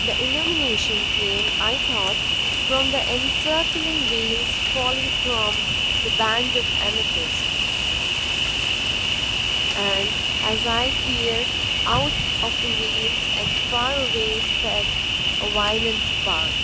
The illumination came, I thought, from the encircling veils falling from the band of amethyst. And, as I peered, out of the veils and far away sped a violet spark.